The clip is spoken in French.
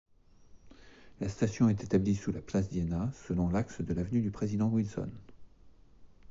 La station est établie sous la place d'Iéna, selon l'axe de l'avenue du Président-Wilson.